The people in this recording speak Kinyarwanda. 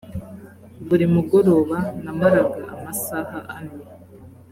buri mugoroba namaraga amasaha ane